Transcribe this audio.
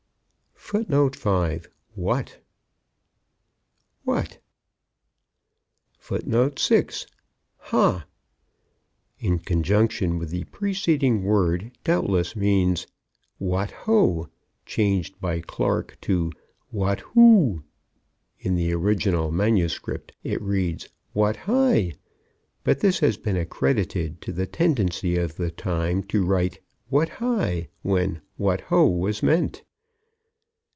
5. What What. 6._Ho!_. In conjunction with the preceding word doubtless means "What ho!" changed by Clarke to "What hoo!" In the original MS. it reads "What hi!" but this has been accredited to the tendency of the time to write "What hi" when "what ho" was meant.